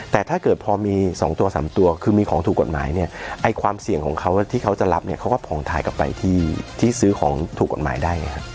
แต่ถ้าเกิดพอมี๒ตัว๓ตัวคือมีของถูกกฎหมายเนี่ยไอ้ความเสี่ยงของเขาที่เขาจะรับเนี่ยเขาก็ผ่องถ่ายกลับไปที่ซื้อของถูกกฎหมายได้ไงครับ